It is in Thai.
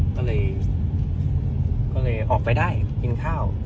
ก็เลยออกไปได้กินข้าว